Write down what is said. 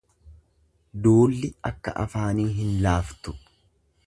Duulli akka afaanii hin laaftu.